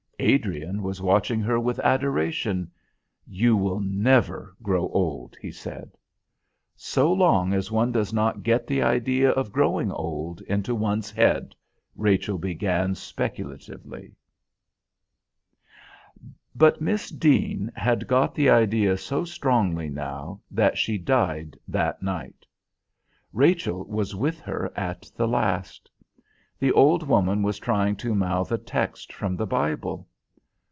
Adrian was watching her with adoration. "You will never grow old," he said. "So long as one does not get the idea of growing old into one's head," Rachel began speculatively.... But Miss Deane had got the idea so strongly now that she died that night. Rachel was with her at the last. The old woman was trying to mouth a text from the Bible.